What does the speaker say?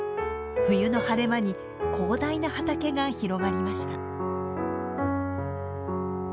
冬の晴れ間に広大な畑が広がりました。